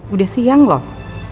udah siang loh